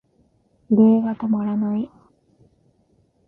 震えが止まらない。